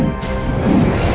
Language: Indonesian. ayo kita berdua